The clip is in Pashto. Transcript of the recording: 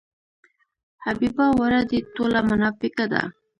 حبیبه ورا دې ټوله مناپیکه ده.